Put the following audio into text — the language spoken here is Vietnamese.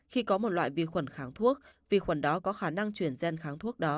khi có một loại vi khuẩn kháng thuốc vi khuẩn đó có khả năng chuyển gen kháng thuốc đó